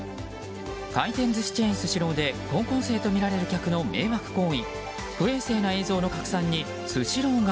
回転寿司チェーン、スシローで高校生とみられる客の迷惑行為。